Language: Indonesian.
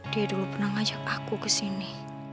dia dulu pernah ngajak aku kesini